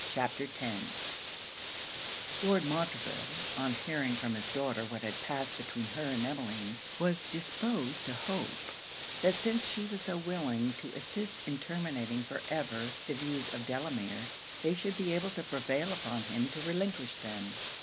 CHAPTER X Lord Montreville, on hearing from his daughter what had passed between her and Emmeline, was disposed to hope, that since she was so willing to assist in terminating for ever the views of Delamere, they should be able to prevail on him to relinquish them.